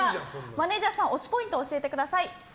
マネジャーさん推しポイントを教えてください。